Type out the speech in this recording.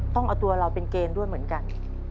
ต้องเอาตัวเราเป็นเกณฑ์ด้วยเหมือนกัน